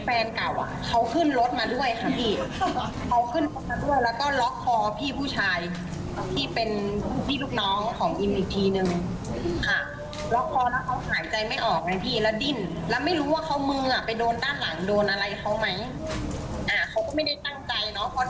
มันไม่ใช่เลยเราก็อธิบายให้เขาฟังแล้วแต่เขาไม่ยอมฟัง